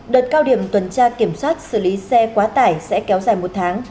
đợt cao điểm tuần tra kiểm soát xử lý xe quá tải sẽ kéo dài một tháng